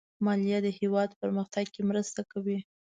مالیه د هېواد پرمختګ کې مرسته کوي.